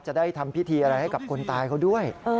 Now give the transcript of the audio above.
จะได้ทำพิธีอะไรให้กับคนตายเขาด้วย